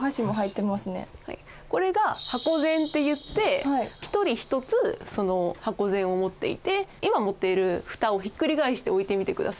これが箱膳っていって一人一つ箱膳を持っていて今持っている蓋をひっくり返して置いてみてください。